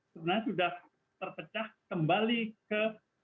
sebenarnya sudah terpecah kembali ke dalam negara negara lain